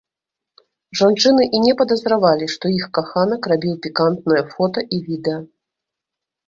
Жанчыны і не падазравалі, што іх каханак рабіў пікантныя фота і відэа.